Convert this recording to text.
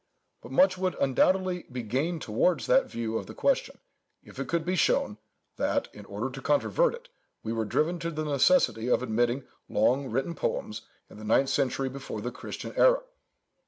But much would undoubtedly be gained towards that view of the question, if it could be shown, that, in order to controvert it, we were driven to the necessity of admitting long written poems, in the ninth century before the Christian æra.